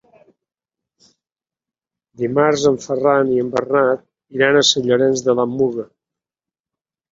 Dimarts en Ferran i en Bernat iran a Sant Llorenç de la Muga.